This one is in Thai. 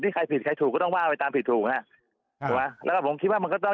ใครผิดใครถูกก็ต้องว่าไปตามผิดถูกฮะถูกไหมแล้วก็ผมคิดว่ามันก็ต้อง